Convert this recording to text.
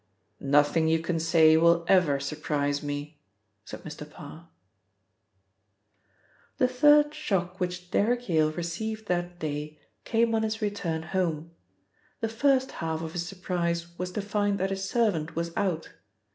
"Nothing you can say will ever surprise me," said Mr Parr. The third shock which Derrick Yale received that day came on his return home. The first half of his surprise was to find that his servant was out.